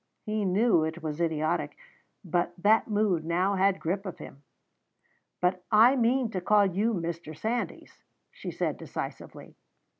He knew it was idiotic, but that mood now had grip of him. "But I mean to call you Mr. Sandys," she said decisively.